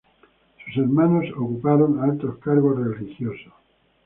Sus hermanos ocuparon altos cargos religiosos.